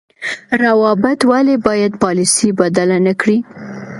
روابط ولې باید پالیسي بدله نکړي؟